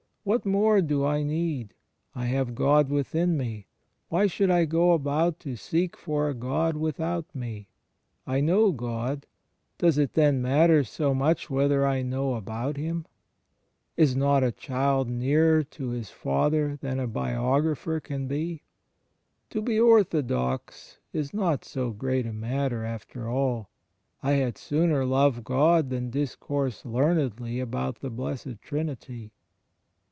"What more do I need? I have God within me: why should I go about to seek for a God without me? I know God : does it then matter so much whether I know about Him? CHSIST IN THE EXTERIOR 57 Is not a child nearer to his father than a biographer can be? To be 'orthodox' is not so great a matter after all: *I had sooner love God than discourse learnedly about the Blessed Trinity.'